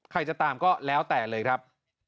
ใครจะตามก็แล้วแต่เลยครับ